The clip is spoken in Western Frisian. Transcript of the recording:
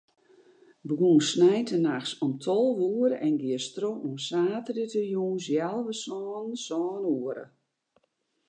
Begûnst sneintenachts om tolve oere en giest troch oant saterdeitejûns healwei sânen, sân oere.